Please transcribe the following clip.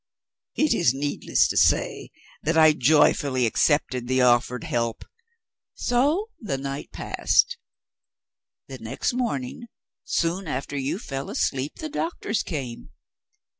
It is needless to say that I joyfully accepted the offered help. So the night passed. The next morning, soon after you fell asleep, the doctors came.